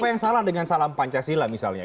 apa yang salah dengan salam pancasila misalnya